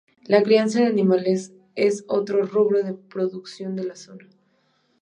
La crianza de animales es otro rubro de producción en la zona.